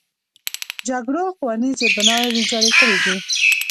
جګړو ښوونیز زیربناوې ویجاړې کړي دي.